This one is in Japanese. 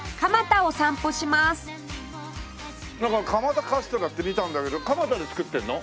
蒲田カステラって見たんだけど蒲田で作ってるの？